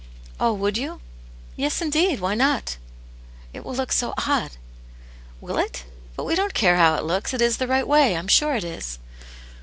" Oh, would you ?"'". "Yes, indeed, why not ^".'" It will look so odd." " Will it } But we don't care how it looks. It is the right way, I'm sure it is."